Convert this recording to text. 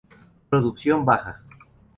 Producción baja.